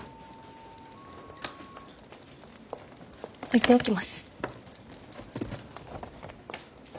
置いておきます。